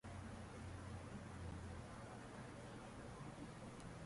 Sirdaryoda issiqlik elektr stansiyasi qurilishiga tamal toshi qo‘yildi